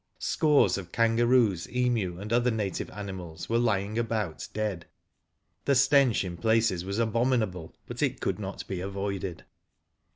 Scores of kangaroos, emu, and other native animals, were lying about dead. The stench in \ la oes was abominable, but it could not be avoided.